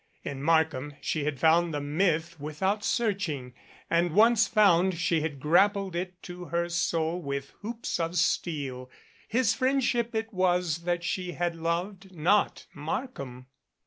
In Markham she had found the myth without searching, and once found she had grappled it to her soul with hoops of steel. His friendship it was that she had loved not Markham.